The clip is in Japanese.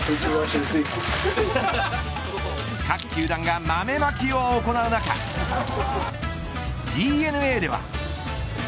各球団が豆まきを行う中ＤｅＮＡでは。